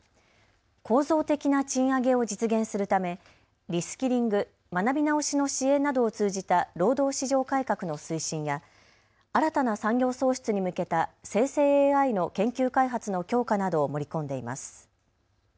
構造的な賃上げを実現するためリスキリング・学び直しの支援などを通じた労働市場改革の推進や新たな産業創出に向けた生成ＡＩの研究開発の強化などを盛り込んでいます。